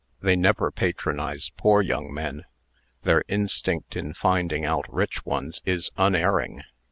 They never patronize poor young men. Their instinct in finding out rich ones is unerring.